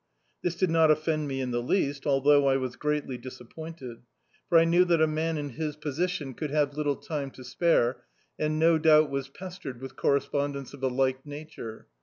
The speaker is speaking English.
This did not offend me in the least, although I was greatly disappointed, for I knew that a man in his position Do.icdt, Google False Hopes could have little time to spare, and no doubt was pestered with correspondence of a like nature.